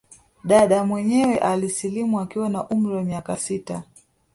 Dada mwenyewe alisilimu akiwa na umri wa miaka sita